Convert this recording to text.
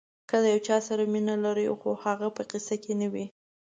که د یو چا سره مینه لرئ خو هغه په قصه کې نه وي.